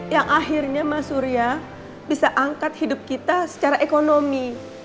yang akhirnya mas surya bisa angkat hidup kita secara ekonomi